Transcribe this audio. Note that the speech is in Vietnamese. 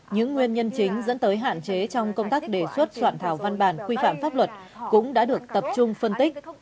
những nguyên nhân chính dẫn tới hạn chế trong công tác đề xuất soạn thảo văn bản quy phạm pháp luật cũng đã được tập trung phân tích